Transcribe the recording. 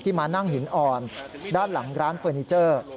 มานั่งหินอ่อนด้านหลังร้านเฟอร์นิเจอร์